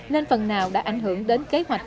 nên phần nào đã ảnh hưởng đến kế hoạch